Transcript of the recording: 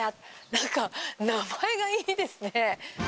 なんか、名前がいいですね。